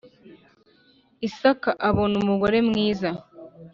isaka abona umugore mwiza